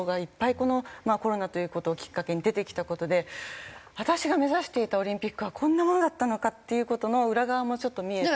このまあコロナという事をきっかけに出てきた事で私が目指していたオリンピックはこんなものだったのかっていう事の裏側もちょっと見えて。